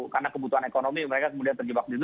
karena kebutuhan ekonomi mereka kemudian terjebak di situ